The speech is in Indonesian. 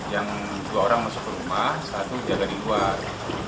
yang dua orang masuk ke rumah satu jaga di luar